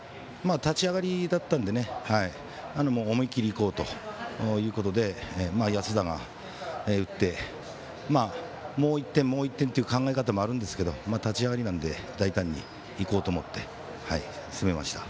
立ち上がりだったので思い切りいこうということで安田が打ってもう１点、もう１点という考え方もあるんですけど立ち上がりなので大胆にいこうと思って攻めました。